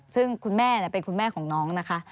ซึ่งคุณแม่เป็นคุณแม่ของน้องนะคะ